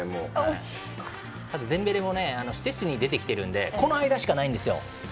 デンベレもシュチェスニーが出てきているのでこの間しかないんですよ。